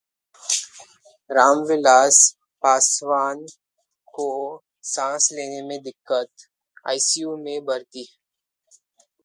रामविलास पासवान को सांस लेने में दिक्कत, आईसीयू में भर्ती